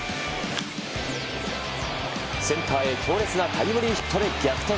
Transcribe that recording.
センターへ強烈なタイムリーヒットで逆転。